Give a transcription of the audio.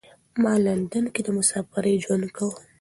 ما لندن کې د مسافرۍ ژوند کاوه.